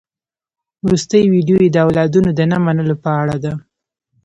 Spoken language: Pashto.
وروستۍ ويډيو يې د اولادونو د نه منلو په اړه ده.